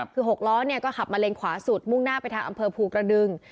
คือ๖ล้อคลับมาเล็งขวาสุดมุ่งหน้าไปอำเพิร์ธภูติกระดึง